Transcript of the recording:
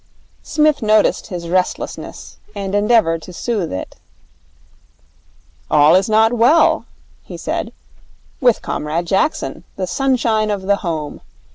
Psmith noticed his restlessness and endeavoured to soothe it. 'All is not well,' he said, 'with Comrade Jackson, the Sunshine of the Home.